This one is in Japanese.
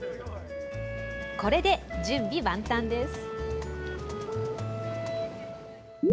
これで準備万端です。